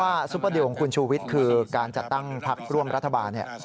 เพราะว่าซุปเปอร์ดีลของคุณชูวิทธิ์คือการจัดตั้งภักดิ์ร่วมรัฐบาลเนี่ย